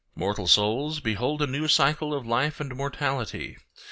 Mortal souls, behold a new cycle of life and mortality.